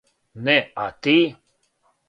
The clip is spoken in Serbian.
Не, а ти.